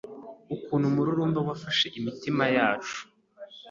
Ukuntu umururumba wafashe imitima yacu